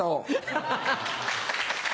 ハハハ！